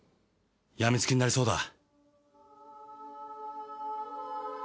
病み付きになりそうだ。